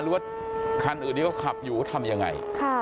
หรือว่าคันอื่นนี้ขับอยุง่ะทำยังไง